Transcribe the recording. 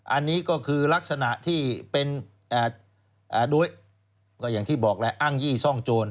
อันนี้ก็คือลักษณะที่เป็นโดยก็อย่างที่บอกแหละอ้างยี่ซ่องโจร